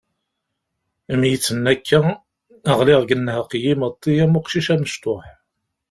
Mi yi-d-tenna akka, ɣliɣ-d deg nnheq n yimeṭṭi am uqcic amecṭuḥ.